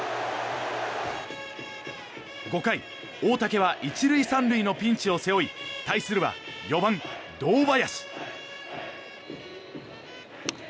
５回、大竹は１塁３塁のピンチを背負い対するは４番、堂林。